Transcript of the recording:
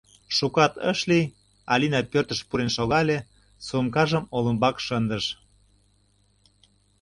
Шукат ыш лий, Алина пӧртыш пурен шогале, сумкажым олымбак шындыш.